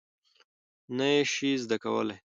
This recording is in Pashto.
نه یې شې زده کولی؟